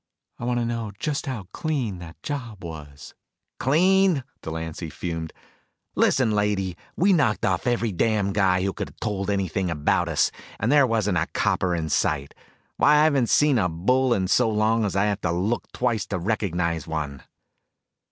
"I want to know just how clean that job was." "Clean?" Delancy fumed. "Listen, lady, we knocked off every damned guy who could have told anything about us. And there wasn't a copper in sight. Why, I haven't seen a bull in so long I'd have to look twice to recognize one."